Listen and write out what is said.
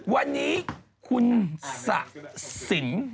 วันนี้คุณสะสิน